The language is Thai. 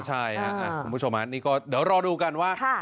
ใช่ครับคุณผู้ชมนี่ก็เดี๋ยวรอดูกันว่า